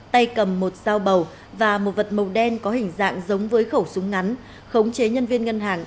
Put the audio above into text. tay cầm một dao bầu và một vật màu đen có hình dạng giống với khẩu súng ngắn khống chế nhân viên ngân hàng